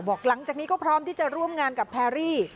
หลังจากนี้ก็พร้อมที่จะร่วมงานกับแพรรี่